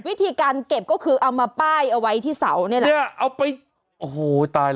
วิธีการเก็บก็คือเอามาป้ายเอาไว้ที่เสาเนี่ย